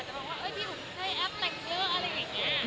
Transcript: มันก็เป็นความสุขเล็กน้อยของป้าเนาะ